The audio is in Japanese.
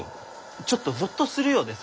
ちょっとゾッとするようでさ。